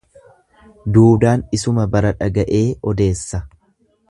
Duudaan isuma bara dhaga'ee odeessa.